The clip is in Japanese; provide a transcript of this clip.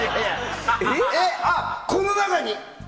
この中に？